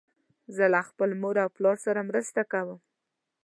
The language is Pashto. زه له خپل مور او پلار سره مرسته کوم.